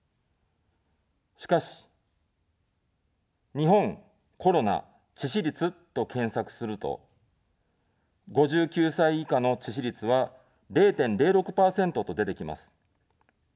しかし、日本、コロナ、致死率と検索すると、５９歳以下の致死率は０．０６％と出てきます。